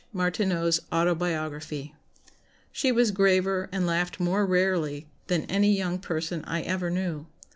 Martineau's Autobiography.] "She was graver and laughed more rarely than any young person I ever knew.